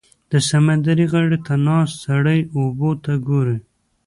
• د سمندر غاړې ته ناست سړی اوبو ته ګوري.